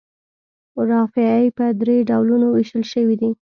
رافعې په درې ډولونو ویشل شوي دي.